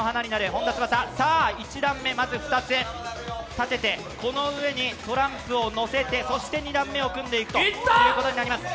本田翼、１段目、まず２つ立てて、この上にトランプを乗せて、そして２段目を組んでいくということになります。